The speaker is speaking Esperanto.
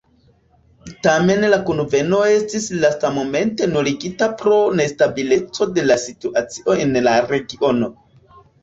Tamen la kunveno estis lastmomente nuligita pro nestabileco de la situacio en la regiono.